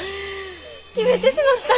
決めてしまった。